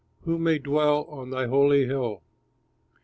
Who may dwell on thy holy hill?